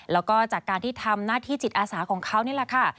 แล้วก็จากการที่ทำหน้าที่จิตอาสาของเขานี่แหละค่ะ